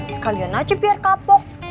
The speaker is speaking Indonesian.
sekalian aja biar kapok